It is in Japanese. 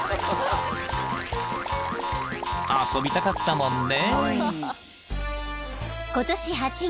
［遊びたかったもんね］